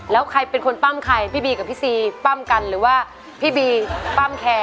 แล้วใครเป็นคนปั้มใครพี่บีกับพี่ซีปั้มกันหรือว่าพี่บีปั้มแคร์